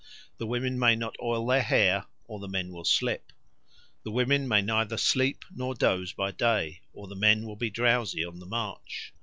The women may not oil their hair, or the men will slip. The women may neither sleep nor doze by day, or the men will be drowsy on the march.